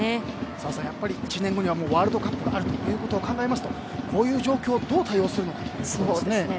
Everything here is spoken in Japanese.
澤さん、１年後にはワールドカップがあることを考えますと、こういう状況をどう対応するかですね。